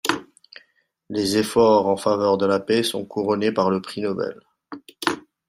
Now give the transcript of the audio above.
Les efforts en faveur de la paix sont couronnés par le Prix Nobel.